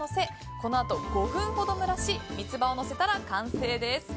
このあと５分ほど蒸らし三つ葉をのせたら完成です。